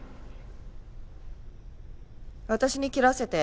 私に切らせて。